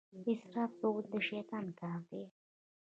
اسراف کول د شیطان کار دی.